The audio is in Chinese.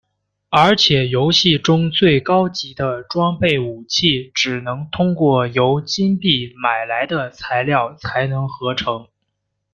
而且游戏中最高级的装备武器只能通过由金币买来的材料才能合成。